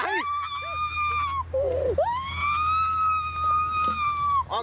พี่เอ็ม